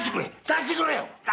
出してくれよ。